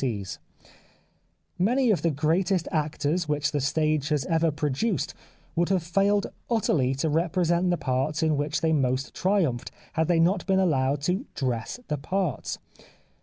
234 The Life of Oscar Wilde Many of the greatest actors which the stage has ever produced would have failed utterly to re present the parts in which they most triumphed, had they not been allowed to " dress the parts."